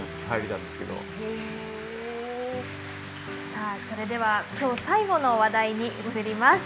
さあそれでは今日最後の話題に移ります。